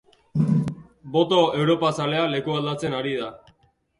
Boto europazalea lekualdatzen ari da.